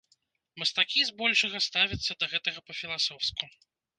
Мастакі, збольшага, ставіцца да гэтага па-філасофску.